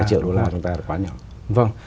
hai triệu đô la của chúng ta là quá nhỏ